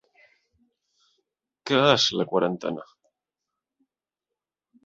Què és la quarantena?